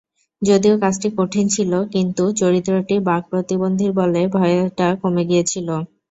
যদিও কাজটি কঠিন ছিল, কিন্তু চরিত্রটি বাক্প্রতিবন্ধীর বলে ভয়টা কমে গিয়েছিল।